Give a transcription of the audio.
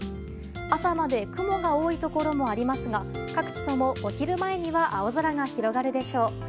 朝まで雲が多いところもありますが各地とも、お昼前には青空が広がるでしょう。